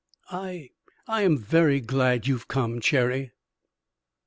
I I am very glad you have come, Cherry."